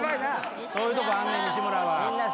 そういうとこあんねん西村は。